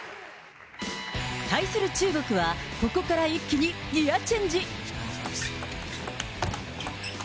対する中国は、ここから一気にギアチェンジ。